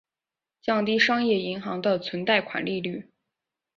降低商业银行的存贷款利率。